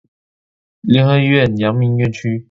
聯合醫院陽明院區